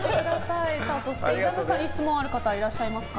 そして、ＩＺＡＭさんに質問ある方いらっしゃいますか。